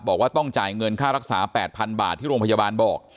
บอกว่าต้องจ่ายเงินค่ารักษา๘๐๐๐บาทที่โรงพยาบาลบอก